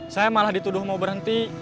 saya malah dituduh mau berhenti